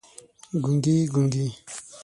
ګونګي، ګونګي